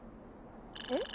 えっ？